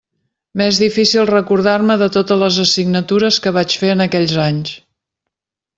M'és difícil recordar-me de totes les assignatures que vaig fer en aquells anys.